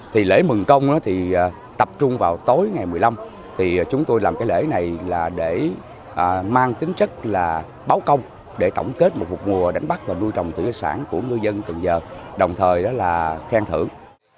thì lễ mừng công thì tập trung vào tối ngày một mươi năm thì chúng tôi làm cái lễ này là để mang tính chất là báo công để tổng kết một mùa đánh bắt và nuôi trồng thủy sản của ngư dân cần giờ đồng thời đó là khen thưởng